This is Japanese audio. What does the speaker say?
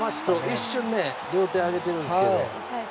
一瞬ね、両手を上げてるんですけどね。